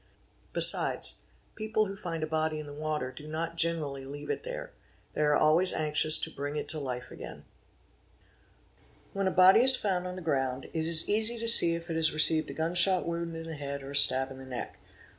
Besides, people who find a body in the water do not | ae BODIES FOUND IN WATER 645 generally leave it there; they are always anxious to bring it to life again. When a_body is found on the ground it is easy to see if it has received a gun shot wound in the head or a stab in the neck.